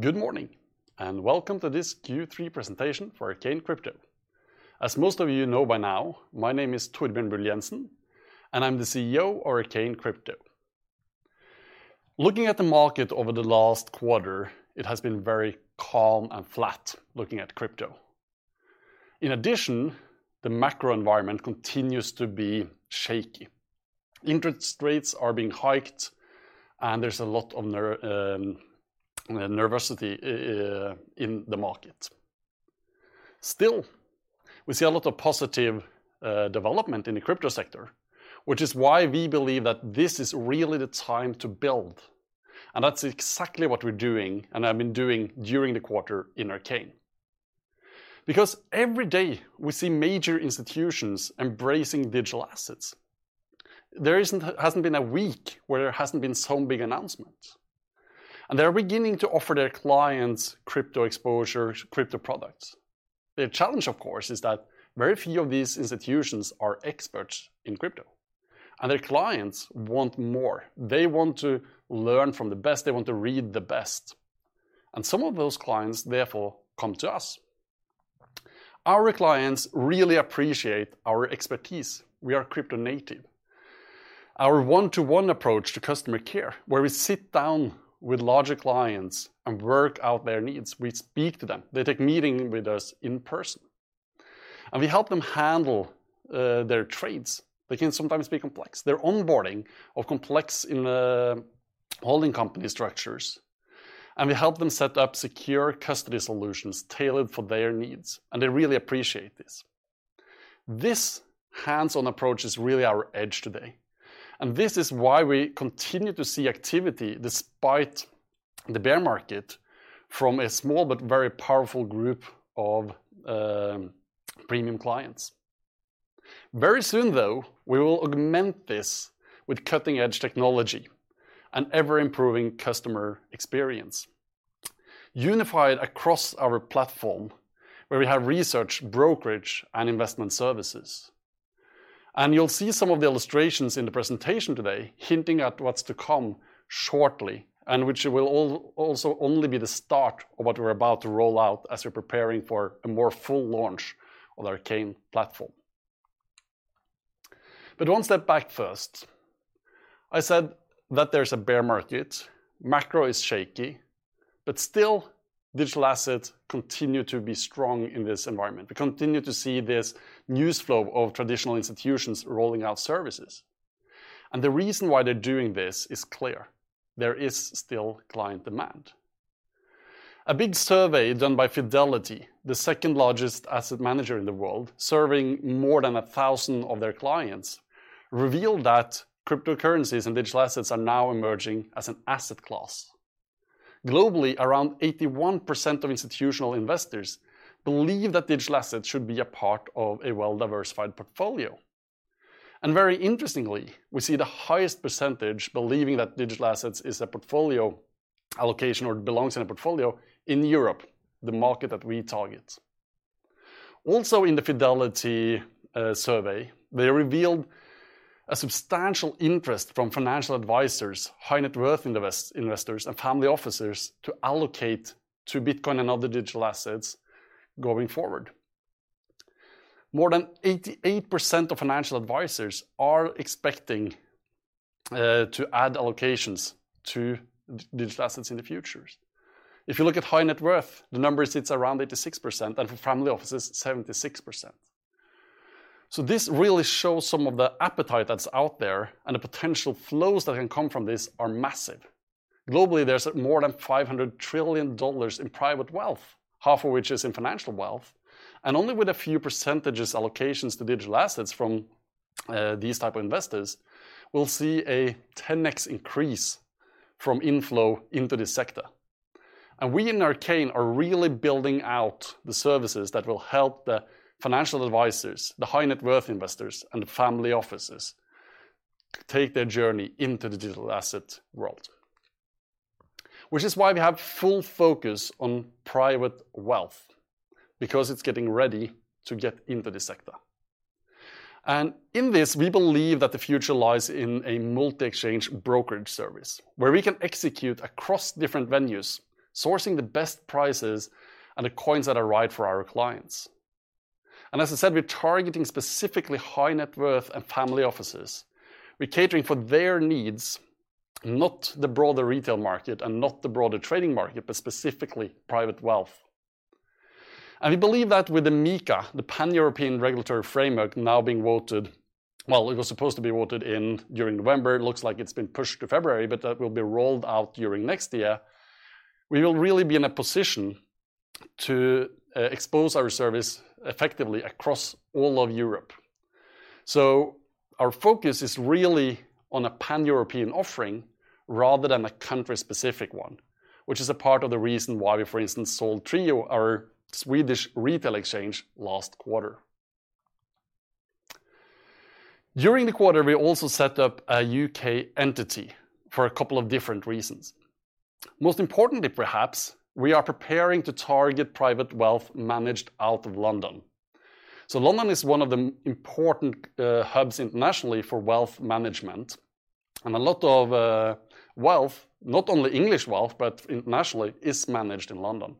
Good morning, and welcome to this Q3 presentation for Arcane Crypto. As most of you know by now, my name is Torbjørn Bull Jenssen, and I'm the CEO of Arcane Crypto. Looking at the market over the last quarter, it has been very calm and flat looking at crypto. In addition, the macro environment continues to be shaky. Interest rates are being hiked, and there's a lot of nervosity in the market. Still, we see a lot of positive development in the crypto sector, which is why we believe that this is really the time to build, and that's exactly what we're doing and have been doing during the quarter in Arcane. Because every day we see major institutions embracing digital assets. There hasn't been a week where there hasn't been some big announcement, and they're beginning to offer their clients crypto exposure, crypto products. The challenge, of course, is that very few of these institutions are experts in crypto, and their clients want more. They want to learn from the best. They want to read the best. Some of those clients, therefore, come to us. Our clients really appreciate our expertise. We are crypto native. Our one-to-one approach to customer care, where we sit down with larger clients and work out their needs. We speak to them. They take meetings with us in person. We help them handle their trades. They can sometimes be complex. Their onboarding of complex holding company structures, and we help them set up secure custody solutions tailored for their needs, and they really appreciate this. This hands-on approach is really our edge today, and this is why we continue to see activity despite the bear market from a small but very powerful group of premium clients. Very soon, though, we will augment this with cutting-edge technology and ever-improving customer experience unified across our platform where we have research, brokerage, and investment services. You'll see some of the illustrations in the presentation today hinting at what's to come shortly and which will also only be the start of what we're about to roll out as we're preparing for a more full launch of the Arcane platform. One step back first. I said that there's a bear market. Macro is shaky, but still, digital assets continue to be strong in this environment. We continue to see this news flow of traditional institutions rolling out services. The reason why they're doing this is clear. There is still client demand. A big survey done by Fidelity, the second-largest asset manager in the world, surveying more than 1,000 of their clients, revealed that cryptocurrencies and digital assets are now emerging as an asset class. Globally, around 81% of institutional investors believe that digital assets should be a part of a well-diversified portfolio. Very interestingly, we see the highest percentage believing that digital assets is a portfolio allocation or belongs in a portfolio in Europe, the market that we target. Also, in the Fidelity survey, they revealed a substantial interest from financial advisors, high-net-worth investors, and family officers to allocate to Bitcoin and other digital assets going forward. More than 88% of financial advisors are expecting to add allocations to digital assets in the future. If you look at high net worth, the number sits around 86%, and for family offices, 76%. This really shows some of the appetite that's out there, the potential flows that can come from this are massive. Globally, there's more than NOK 500 trillion in private wealth, half of which is in financial wealth, only with a few percentages allocations to digital assets from these type of investors, we'll see a 10x increase from inflow into the sector. We in Arcane are really building out the services that will help the financial advisors, the high-net-worth investors, and the family offices take their journey into the digital asset world. Which is why we have full focus on private wealth, because it's getting ready to get into the sector. In this, we believe that the future lies in a multi-exchange brokerage service where we can execute across different venues, sourcing the best prices and the coins that are right for our clients. As I said, we're targeting specifically high-net-worth and family offices. We're catering for their needs, not the broader retail market and not the broader trading market, but specifically private wealth. We believe that with the MiCA, the Pan-European regulatory framework now being voted, well, it was supposed to be voted during November. It looks like it's been pushed to February, but that will be rolled out during next year. We will really be in a position to expose our service effectively across all of Europe. Our focus is really on a Pan-European offering rather than a country-specific one, which is a part of the reason why we, for instance, sold Trijo, our Swedish retail exchange, last quarter. During the quarter, we also set up a U.K. entity for a couple of different reasons. Most importantly, perhaps, we are preparing to target private wealth managed out of London. London is one of the important hubs internationally for wealth management. A lot of wealth, not only English wealth, but internationally, is managed in London.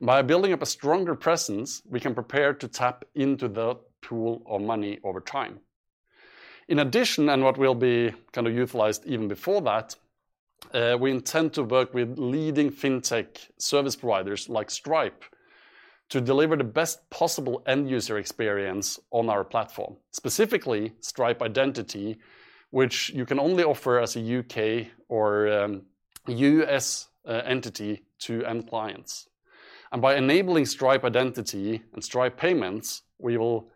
By building up a stronger presence, we can prepare to tap into that pool of money over time. In addition, what will be utilized even before that, we intend to work with leading fintech service providers like Stripe to deliver the best possible end-user experience on our platform, specifically Stripe Identity, which you can only offer as a U.K. or U.S. entity to end clients. By enabling Stripe Identity and Stripe Payments, we will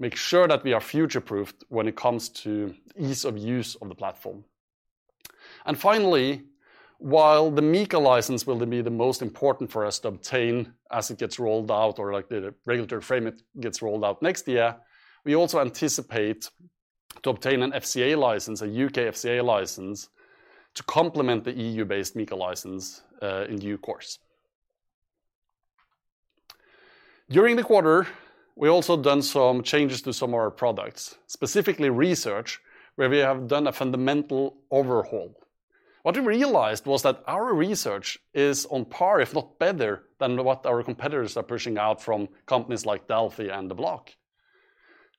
make sure that we are future-proofed when it comes to ease of use of the platform. Finally, while the MiCA license will be the most important for us to obtain as it gets rolled out or the regulatory frame gets rolled out next year, we also anticipate to obtain an FCA license, a U.K. FCA license, to complement the EU-based MiCA license in due course. During the quarter, we've also done some changes to some of our products, specifically research, where we have done a fundamental overhaul. What we realized was that our research is on par, if not better, than what our competitors are pushing out from companies like Delphi and The Block.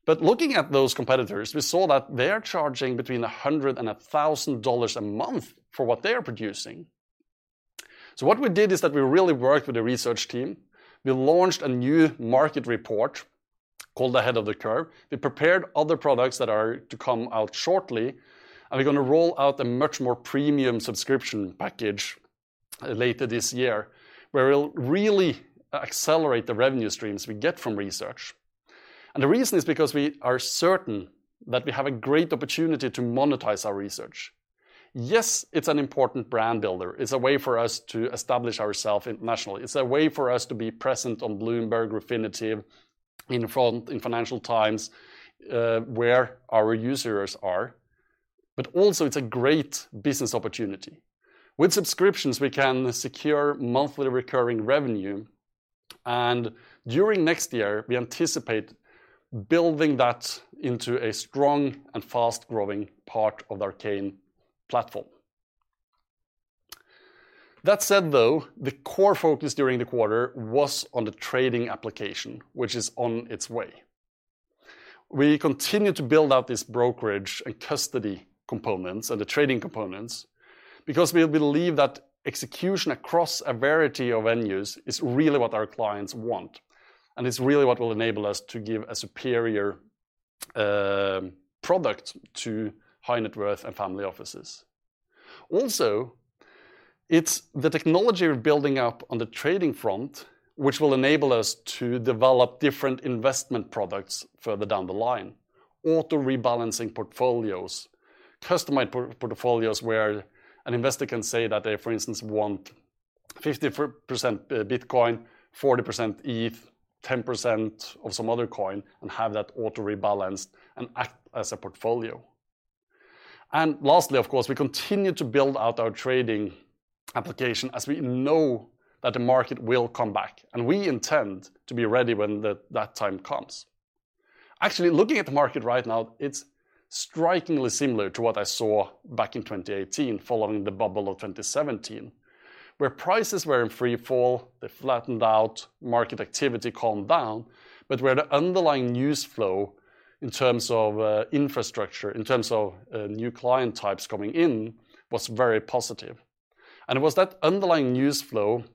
Looking at those competitors, we saw that they're charging between 100 and NOK 1,000 a month for what they're producing. What we did is that we really worked with the research team. We launched a new market report called Ahead of the Curve. We prepared other products that are to come out shortly, we're going to roll out a much more premium subscription package later this year, where we'll really accelerate the revenue streams we get from research. The reason is because we are certain that we have a great opportunity to monetize our research. Yes, it's an important brand builder. It's a way for us to establish ourselves internationally. It's a way for us to be present on Bloomberg, Refinitiv, in Financial Times, where our users are. Also, it's a great business opportunity. With subscriptions, we can secure monthly recurring revenue, during next year, we anticipate building that into a strong and fast-growing part of the Arcane platform. That said, though, the core focus during the quarter was on the trading application, which is on its way. We continue to build out these brokerage and custody components and the trading components because we believe that execution across a variety of venues is really what our clients want, and it's really what will enable us to give a superior product to high net worth and family offices. Also, it's the technology we're building up on the trading front, which will enable us to develop different investment products further down the line, auto-rebalancing portfolios, customized portfolios where an investor can say that they, for instance, want 50% Bitcoin, 40% ETH, 10% of some other coin, and have that auto-rebalanced and act as a portfolio. Lastly, of course, we continue to build out our trading application as we know that the market will come back, and we intend to be ready when that time comes. Actually, looking at the market right now, it's strikingly similar to what I saw back in 2018 following the bubble of 2017, where prices were in free fall, they flattened out, market activity calmed down, but where the underlying news flow in terms of infrastructure, in terms of new client types coming in, was very positive. It was that underlying news flow,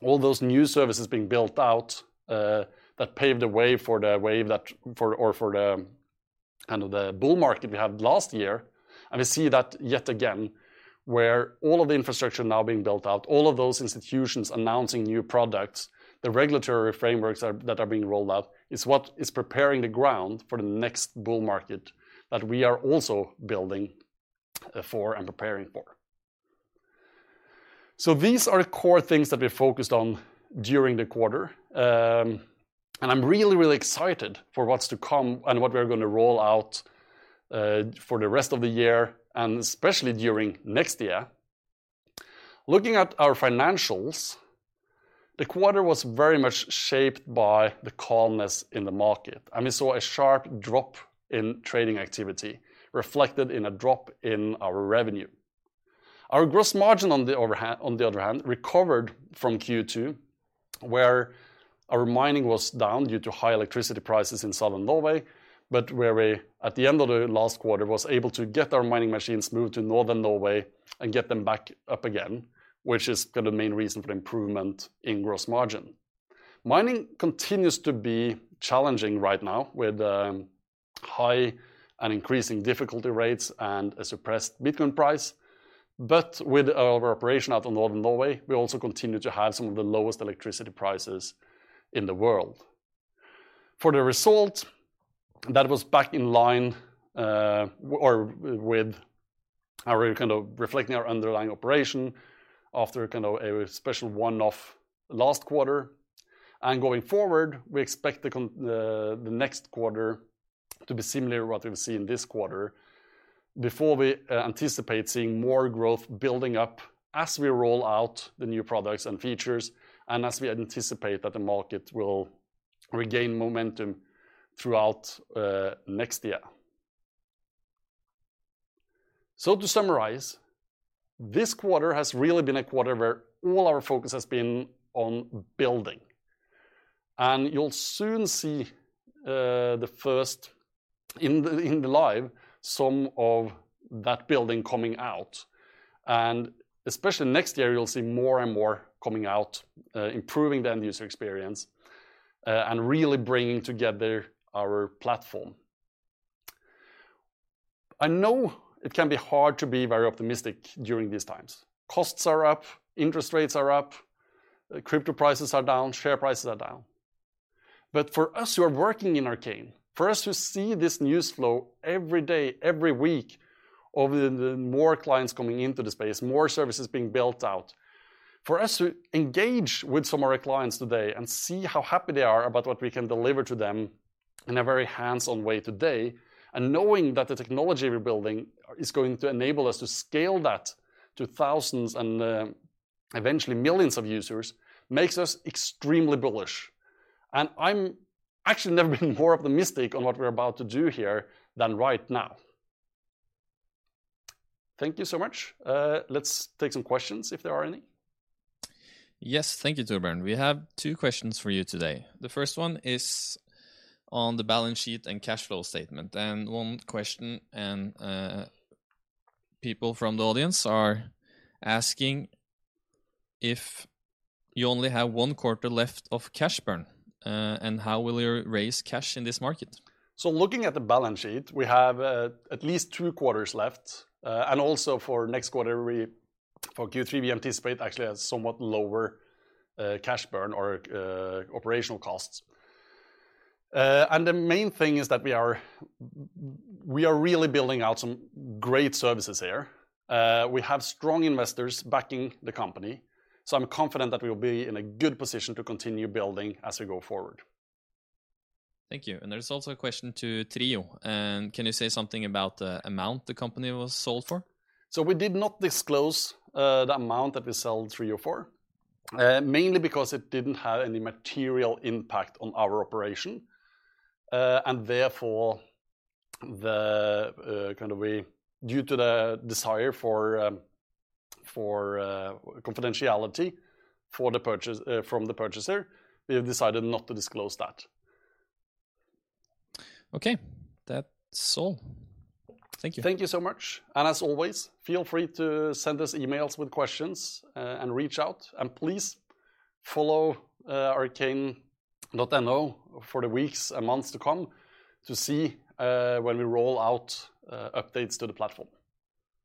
all those new services being built out, that paved the way for the bull market we had last year. We see that yet again, where all of the infrastructure now being built out, all of those institutions announcing new products, the regulatory frameworks that are being rolled out, is what is preparing the ground for the next bull market that we are also building for and preparing for. These are the core things that we focused on during the quarter. I'm really, really excited for what's to come and what we are going to roll out for the rest of the year, and especially during next year. Looking at our financials, the quarter was very much shaped by the calmness in the market, and we saw a sharp drop in trading activity reflected in a drop in our revenue. Our gross margin, on the other hand, recovered from Q2, where our mining was down due to high electricity prices in southern Norway, but where we, at the end of the last quarter, was able to get our mining machines moved to northern Norway and get them back up again, which is the main reason for the improvement in gross margin. Mining continues to be challenging right now with high and increasing difficulty rates and a suppressed Bitcoin price. With our operation out of northern Norway, we also continue to have some of the lowest electricity prices in the world. For the result, that was back in line, reflecting our underlying operation after a special one-off last quarter. Going forward, we expect the next quarter to be similar to what we've seen this quarter before we anticipate seeing more growth building up as we roll out the new products and features and as we anticipate that the market will regain momentum throughout next year. To summarize, this quarter has really been a quarter where all our focus has been on building, and you'll soon see the first, in live, some of that building coming out. Especially next year, you'll see more and more coming out, improving the end user experience, and really bringing together our platform. I know it can be hard to be very optimistic during these times. Costs are up, interest rates are up, crypto prices are down, share prices are down. For us who are working in Arcane, for us who see this news flow every day, every week, of the more clients coming into the space, more services being built out, for us who engage with some of our clients today and see how happy they are about what we can deliver to them in a very hands-on way today, and knowing that the technology we're building is going to enable us to scale that to thousands and eventually millions of users, makes us extremely bullish. I'm actually never been more optimistic on what we're about to do here than right now. Thank you so much. Let's take some questions if there are any. Yes. Thank you, Torbjørn. We have two questions for you today. The first one is on the balance sheet and cash flow statement. One question, and people from the audience are asking if you only have one quarter left of cash burn, and how will you raise cash in this market? Looking at the balance sheet, we have at least two quarters left. Also for next quarter, for Q3, we anticipate actually a somewhat lower cash burn or operational costs. The main thing is that we are really building out some great services here. We have strong investors backing the company, so I'm confident that we'll be in a good position to continue building as we go forward. Thank you. There's also a question to Trijo. Can you say something about the amount the company was sold for? We did not disclose the amount that we sold Trijo for, mainly because it didn't have any material impact on our operation. Therefore, due to the desire for confidentiality from the purchaser, we have decided not to disclose that. Okay. That's all. Thank you. Thank you so much. As always, feel free to send us emails with questions, and reach out, and please follow arcane.no for the weeks and months to come to see when we roll out updates to the platform.